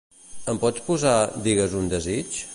Ens pots posar "Digues un desig"?